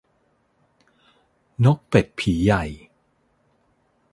นกเป็ดผีใหญ่